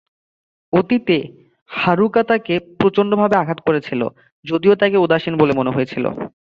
অতীতে, হারুকা তাকে প্রচণ্ডভাবে আঘাত করেছিল, যদিও তাকে উদাসীন বলে মনে হয়েছিল।